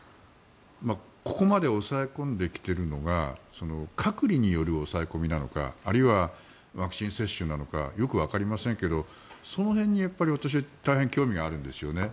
ここまで抑え込んできているのが隔離による抑え込みなのかあるいはワクチン接種なのかよくわかりませんけどその辺に私は大変興味があるんですね。